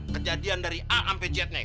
kejadian dari a sampai z naik